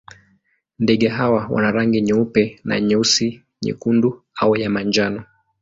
Ndege hawa wana rangi nyeupe na nyeusi, nyekundu au ya manjano.